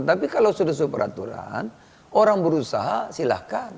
tapi kalau sudah superaturan orang berusaha silahkan